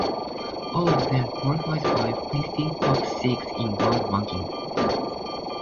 All of them qualified by finishing top six in world ranking.